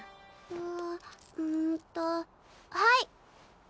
あんとはい！